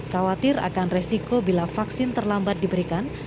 khawatir akan resiko bila vaksin terlambat diberikan